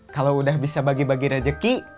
kalau udah bisa bagi bagi rejeki